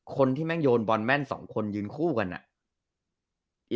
แม่งโยนบอลแม่นสองคนยืนคู่กันอ่ะ